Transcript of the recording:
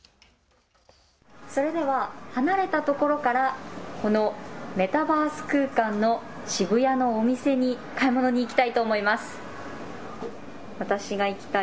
それでは離れたところからこのメタバース空間の渋谷のお店に買い物に行きたいと思います。